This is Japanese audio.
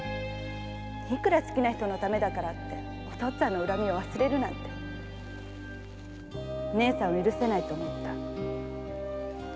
いくら好きな人のためだからってお父っつぁんの恨みを忘れるなんて許せないと思った〕